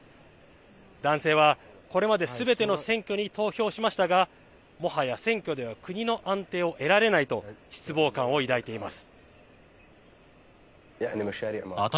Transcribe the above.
男性は、これまですべての選挙に投票しましたがもはや選挙では国の安定を得られないと失望感を抱いています。